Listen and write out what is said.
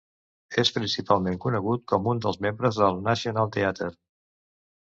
És principalment conegut com un dels membres de Nationalteatern.